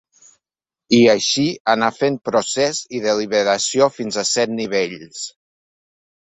I així anar fent procés i deliberació fins a set nivells.